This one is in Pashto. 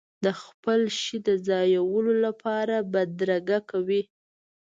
د خپل شي د ځایولو لپاره بدرګه کوي.